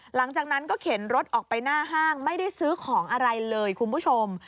หลังจากนั้นก็เข็นรถออกไปหน้าห้างไม่ได้ซื้อของอะไรเลยคุณผู้ชม